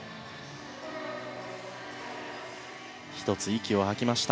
１つ息を吐きました。